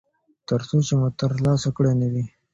ترڅو چې مو ترلاسه کړی نه وي.